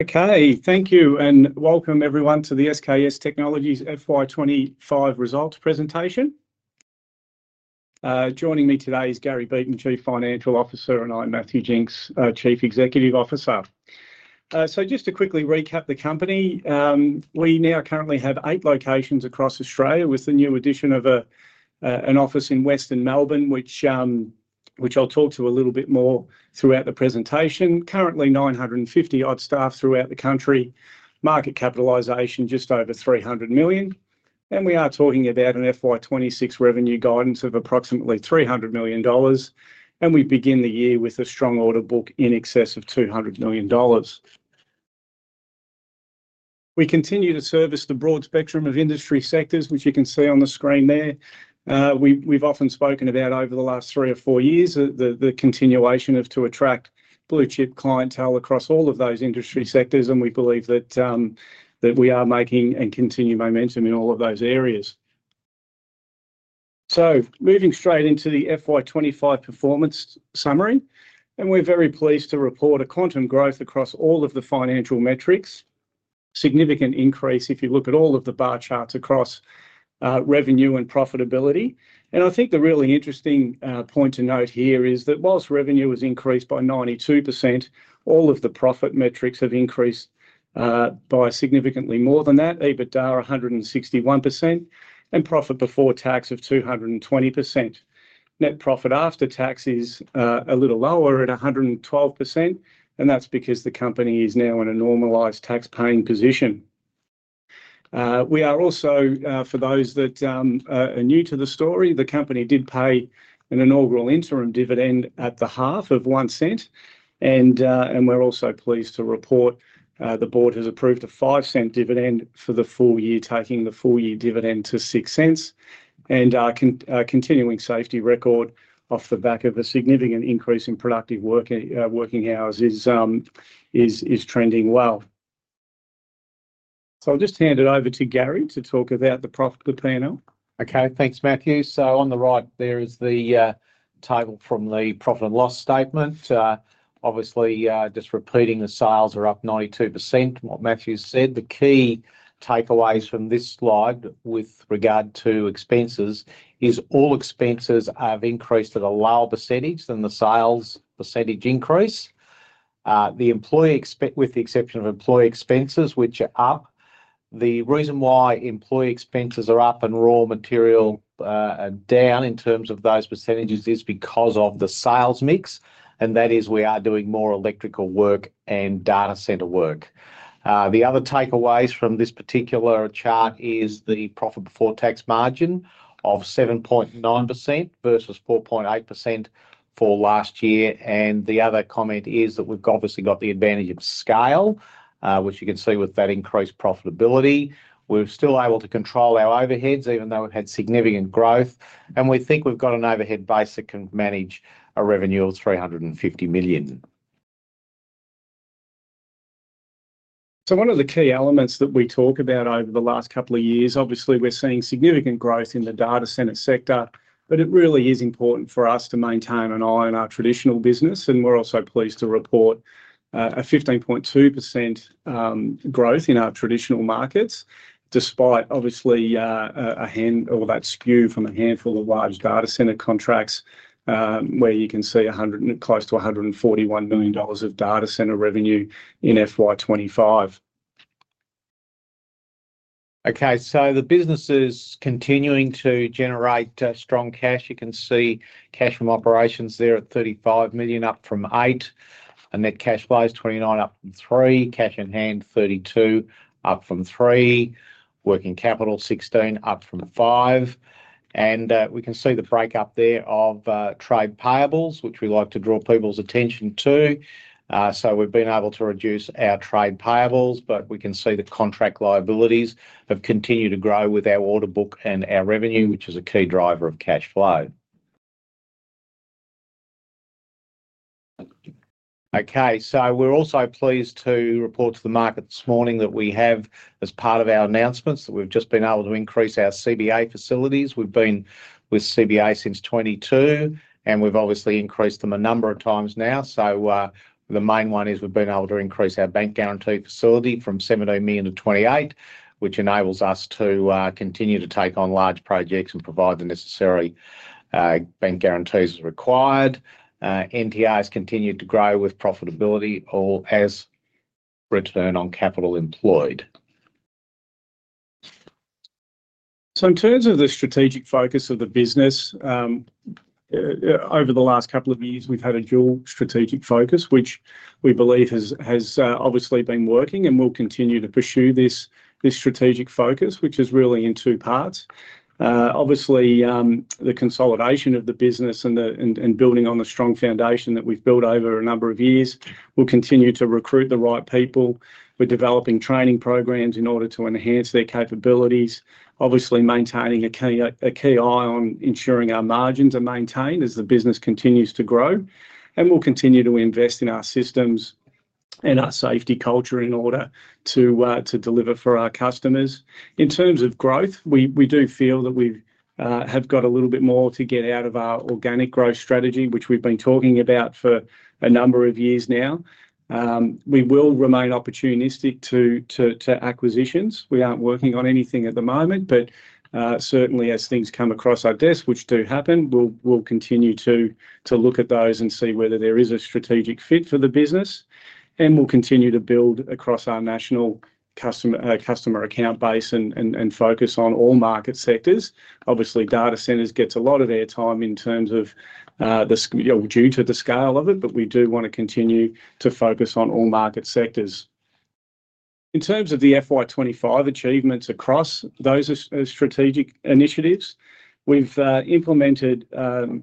Okay, thank you and welcome everyone to the SKS Technologies FY25 results presentation. Joining me today is Gary Beaton, Chief Financial Officer, and I'm Matthew Jinks, Chief Executive Officer. Just to quickly recap the company, we now currently have eight locations across Australia with the new addition of an office in Western Melbourne, which I'll talk to a little bit more throughout the presentation. Currently, 950-odd staff throughout the country, market capitalization just over $300 million, and we are talking about an FY26 revenue guidance of approximately $300 million. We begin the year with a strong order book in excess of $200 million. We continue to service the broad spectrum of industry sectors, which you can see on the screen there. We've often spoken about over the last three or four years the continuation to attract blue-chip clients across all of those industry sectors, and we believe that we are making and continue momentum in all of those areas. Moving straight into the FY25 performance summary, we're very pleased to report a quantum growth across all of the financial metrics, a significant increase if you look at all of the bar charts across revenue and profitability. I think the really interesting point to note here is that whilst revenue has increased by 92%, all of the profit metrics have increased by significantly more than that, EBITDA 161%, and profit before tax of 220%. Net profit after tax is a little lower at 112%, and that's because the company is now in a normalized tax-paying position. For those that are new to the story, the company did pay an inaugural interim dividend at the half of $0.01, and we're also pleased to report the board has approved a $0.05 dividend for the full year, taking the full-year dividend to $0.06 cents. Our continuing safety record off the back of a significant increase in productive working hours is trending well. I'll just hand it over to Gary to talk about the profitable P&L. Okay, thanks Matthew. On the right, there is the table from the profit and loss statement. Obviously, just repeating, the sales are up 92%. What Matthew said, the key takeaways from this slide with regard to expenses is all expenses have increased at a lower percentage than the sales percentage increase. The exception of employee expenses, which are up, the reason why employee expenses are up and raw material down in terms of those percentages is because of the sales mix, and that is we are doing more electrical work and data center work. The other takeaways from this particular chart are the profit before tax margin of 7.9% versus 4.8% for last year, and the other comment is that we've obviously got the advantage of scale, which you can see with that increased profitability. We're still able to control our overheads even though we've had significant growth, and we think we've got an overhead base that can manage a revenue of $350 million. One of the key elements that we talk about over the last couple of years, obviously we're seeing significant growth in the data center sector, but it really is important for us to maintain an eye on our traditional business, and we're also pleased to report a 15.2% growth in our traditional markets despite obviously a handful of that spew from a handful of large data center contracts where you can see close to $141 million of data center revenue in FY2025. Okay, so the business is continuing to generate strong cash. You can see cash from operations there at $35 million, up from $8 million, and net cash flows $29 million, up from $3 million. Cash in hand $32 million, up from $3 million. Working capital $16 million, up from $5 million. We can see the breakup there of trade payables, which we like to draw people's attention to. We have been able to reduce our trade payables, but we can see the contract liabilities have continued to grow with our order book and our revenue, which is a key driver of cash flow. We are also pleased to report to the market this morning that we have, as part of our announcements, just been able to increase our Commonwealth Bank of Australia facilities. We have been with Commonwealth Bank of Australia since 2022, and we have obviously increased them a number of times now. The main one is we have been able to increase our bank guarantee facility from $17 million to $28 million, which enables us to continue to take on large projects and provide the necessary bank guarantees as required. NTR has continued to grow with profitability or as return on capital employed. In terms of the strategic focus of the business, over the last couple of years, we've had a dual strategic focus, which we believe has obviously been working and will continue to pursue this strategic focus, which is really in two parts. Obviously, the consolidation of the business and building on the strong foundation that we've built over a number of years will continue to recruit the right people. We're developing training programs in order to enhance their capabilities, obviously maintaining a key eye on ensuring our margins are maintained as the business continues to grow, and we'll continue to invest in our systems and our safety culture in order to deliver for our customers. In terms of growth, we do feel that we have got a little bit more to get out of our organic growth strategy, which we've been talking about for a number of years now. We will remain opportunistic to acquisitions. We aren't working on anything at the moment, but certainly as things come across our desk, which do happen, we'll continue to look at those and see whether there is a strategic fit for the business. We'll continue to build across our national customer account base and focus on all market sectors. Obviously, data centers get a lot of airtime due to the scale of it, but we do want to continue to focus on all market sectors. In terms of the FY2025 achievements across those strategic initiatives, we've implemented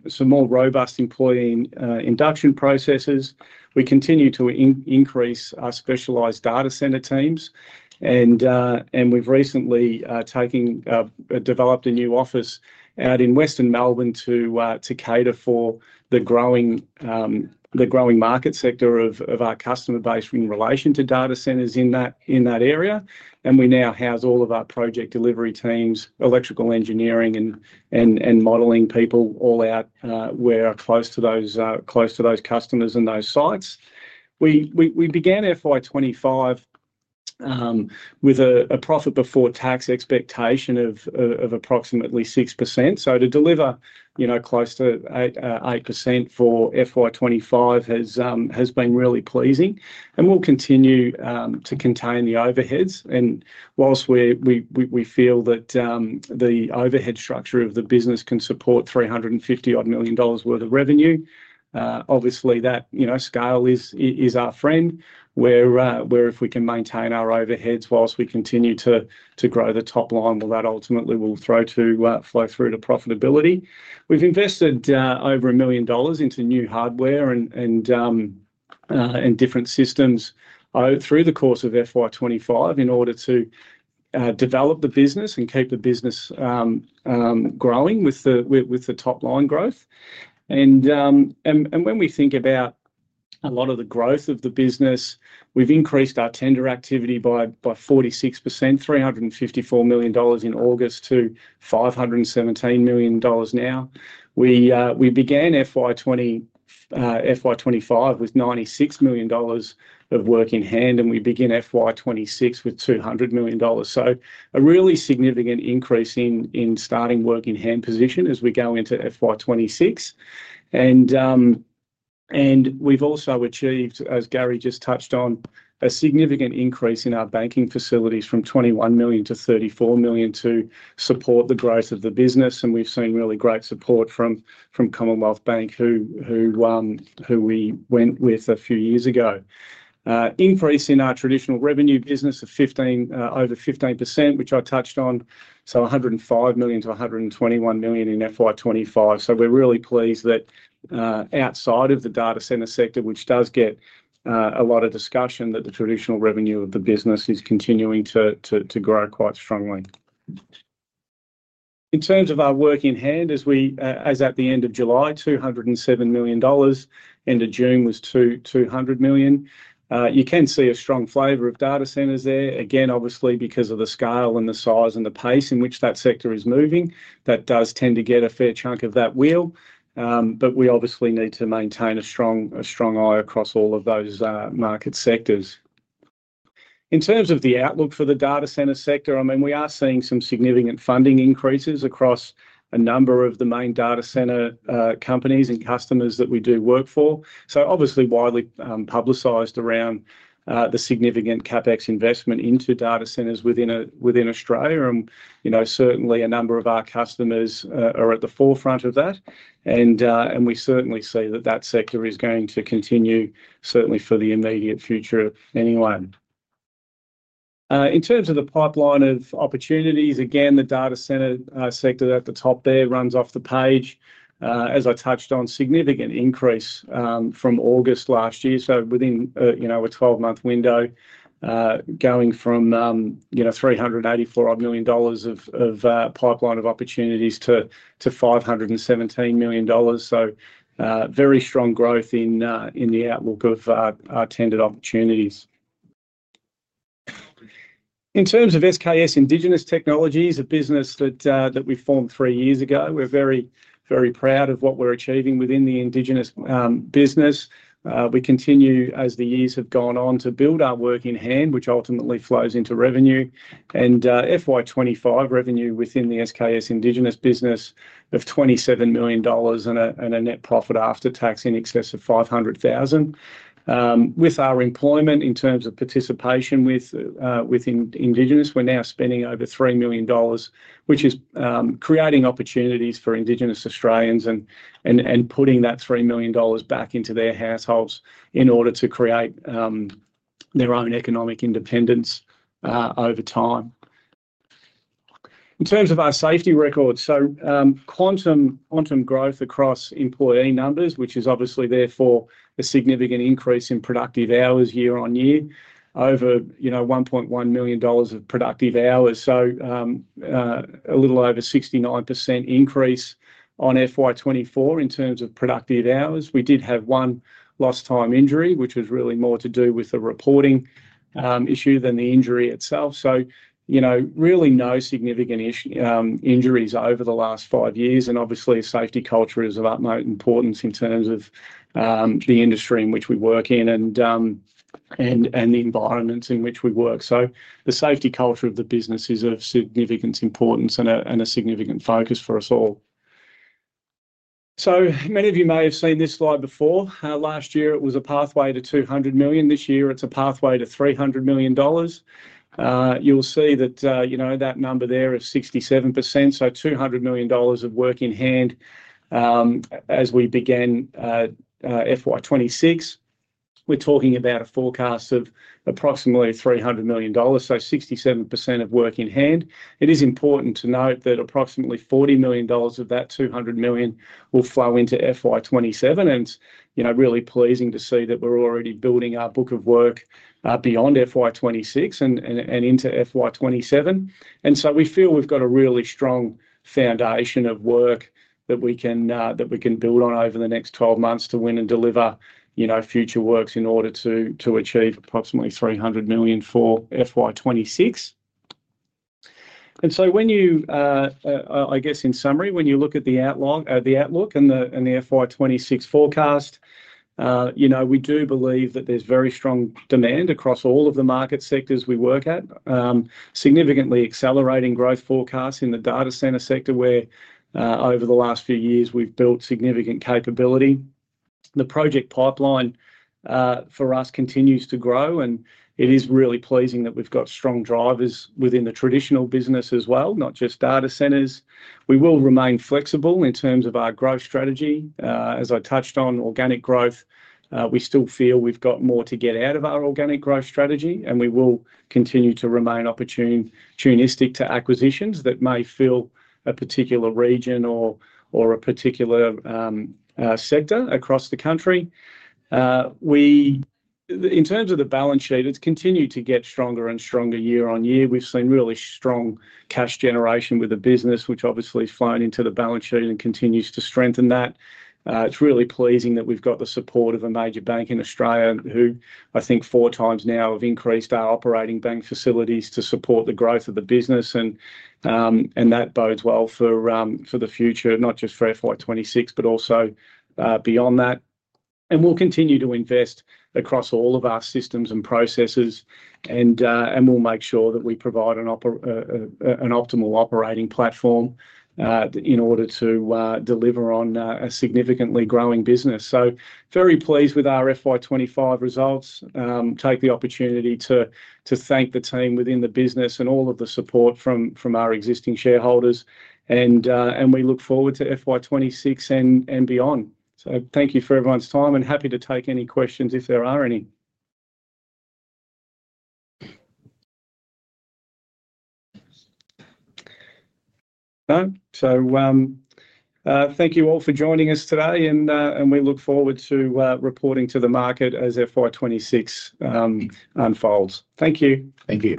some more robust employee induction processes. We continue to increase our specialized data center teams, and we've recently developed a new office out in Western Melbourne to cater for the growing market sector of our customer base in relation to data centers in that area. We now house all of our project delivery teams, electrical engineering, and modeling people all out where close to those customers and those sites. We began FY2025 with a profit before tax expectation of approximately 6%. To deliver close to 8% for FY2025 has been really pleasing, and we'll continue to contain the overheads. Whilst we feel that the overhead structure of the business can support $350 million worth of revenue, obviously that scale is our friend. If we can maintain our overheads whilst we continue to grow the top line, that ultimately will flow through to profitability. We've invested over $1 million into new hardware and different systems through the course of FY2025 in order to develop the business and keep the business growing with the top line growth. When we think about a lot of the growth of the business, we've increased our tender activity by 46%, $354 million in August to $517 million now. We began FY2025 with $96 million of work in hand, and we begin FY2026 with $200 million. A really significant increase in starting work in hand position as we go into FY2026. We've also achieved, as Gary Beaton just touched on, a significant increase in our banking facilities from $21 million to $34 million to support the growth of the business. We've seen really great support from Commonwealth Bank of Australia, who we went with a few years ago. Increase in our traditional revenue business of over 15%, which I touched on. $105 million to $121 million in FY2025. We're really pleased that outside of the data center sector, which does get a lot of discussion, the traditional revenue of the business is continuing to grow quite strongly. In terms of our work in hand, as at the end of July, $207 million, end of June was $200 million. You can see a strong flavor of data centers there, obviously because of the scale and the size and the pace in which that sector is moving, that does tend to get a fair chunk of that wheel. We obviously need to maintain a strong eye across all of those market sectors. In terms of the outlook for the data center sector, we are seeing some significant funding increases across a number of the main data center companies and customers that we do work for. Obviously widely publicized around the significant CapEx investment into data centers within Australia. Certainly a number of our customers are at the forefront of that. We certainly see that that sector is going to continue certainly for the immediate future anyway. In terms of the pipeline of opportunities, the data center sector at the top there runs off the page. As I touched on, significant increase from August last year. Within a 12-month window, going from $384 million of pipeline of opportunities to $517 million. Very strong growth in the outlook of our tendered opportunities. In terms of SKS Indigenous Technologies, a business that we formed three years ago, we're very, very proud of what we're achieving within the Indigenous business. We continue, as the years have gone on, to build our working hand, which ultimately flows into revenue. FY25 revenue within the SKS Indigenous business of $27 million and a net profit after tax in excess of $500,000. With our employment in terms of participation with Indigenous, we're now spending over $3 million, which is creating opportunities for Indigenous Australians and putting that $3 million back into their households in order to create their own economic independence over time. In terms of our safety records, quantum growth across employee numbers, which is obviously there for a significant increase in productive hours year-on-year, over $1.1 million of productive hours. A little over 69% increase on FY24 in terms of productive hours. We did have one lost time injury, which was really more to do with the reporting issue than the injury itself. Really no significant injuries over the last five years. Obviously, a safety culture is of utmost importance in terms of the industry in which we work and the environments in which we work. The safety culture of the business is of significant importance and a significant focus for us all. Many of you may have seen this slide before. Last year, it was a pathway to $200 million. This year, it's a pathway to $300 million. You'll see that number there of 67%, so $200 million of working hand as we began FY26. We're talking about a forecast of approximately $300 million, so 67% of working hand. It is important to note that approximately $40 million of that $200 million will flow into FY27. It is really pleasing to see that we're already building our book of work beyond FY26 and into FY27. We feel we've got a really strong foundation of work that we can build on over the next 12 months to win and deliver future works in order to achieve approximately $300 million for FY26. In summary, when you look at the outlook and the FY26 forecast, we do believe that there's very strong demand across all of the market sectors we work at. Significantly accelerating growth forecasts in the data center sector where over the last few years we've built significant capability. The project pipeline for us continues to grow, and it is really pleasing that we've got strong drivers within the traditional business as well, not just data centers. We will remain flexible in terms of our growth strategy. As I touched on organic growth, we still feel we've got more to get out of our organic growth strategy, and we will continue to remain opportunistic to acquisitions that may fill a particular region or a particular sector across the country. In terms of the balance sheet, it's continued to get stronger and stronger year-on-year. We've seen really strong cash generation with the business, which obviously is flowing into the balance sheet and continues to strengthen that. It's really pleasing that we've got the support of a major bank in Australia who, I think, four times now have increased our operating bank facilities to support the growth of the business. That bodes well for the future, not just for FY26, but also beyond that. We will continue to invest across all of our systems and processes, and we'll make sure that we provide an optimal operating platform in order to deliver on a significantly growing business. Very pleased with our FY25 results. Take the opportunity to thank the team within the business and all of the support from our existing shareholders, and we look forward to FY26 and beyond. Thank you for everyone's time and happy to take any questions if there are any. Thank you all for joining us today, and we look forward to reporting to the market as FY26 unfolds. Thank you. Thank you.